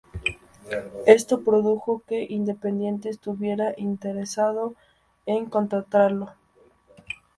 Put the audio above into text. Esto produjo que Independiente estuviera interesado en contratarlo.